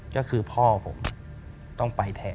ก็คือพ่อผมต้องไปแทน